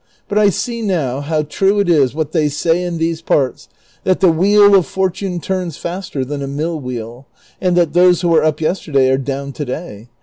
But I see now how true it is what they say in these parts, that the wheel of fortune turns faster than a mill wheel,^ and that those who were up yesterday are down to day.